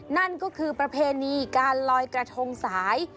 นั่นก็คือประเพณีการลอยกระทงสาย